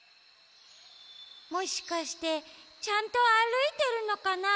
もしかしてちゃんとあるいてるのかな？